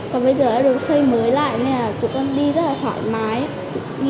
còn bây giờ đã được xây mới lại nên là tụi con đi rất là thoải mái tự nhi